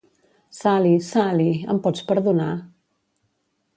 Sally, Sally, em pots perdonar?